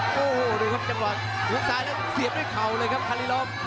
โอ้โหดูครับจังหวะหุบซ้ายแล้วเสียบด้วยเข่าเลยครับคารีลบ